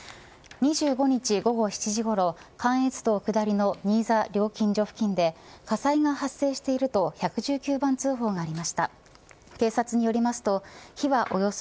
２５日午後７時ごろ関越道下りの新座料金所付近で火災が発生していると１１９番通報がありました。